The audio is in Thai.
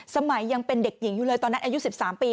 สมัยยังเป็นเด็กหญิงอยู่เลยตอนนั้นอายุ๑๓ปี